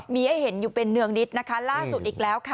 มีให้เห็นอยู่เป็นเนืองนิดนะคะล่าสุดอีกแล้วค่ะ